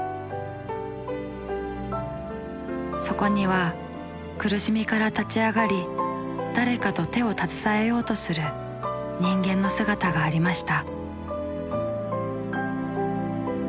そこには苦しみから立ち上がり誰かと手を携えようとする人間の姿がありました。